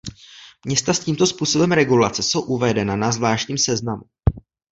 Města s tímto způsobem regulace jsou uvedena na zvláštním seznamu.